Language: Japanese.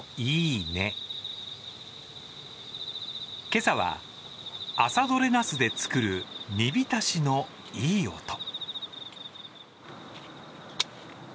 今朝は、朝採れなすで作る煮浸しのいい音。